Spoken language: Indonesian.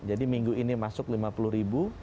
jadi minggu ini masuk lima puluh ribu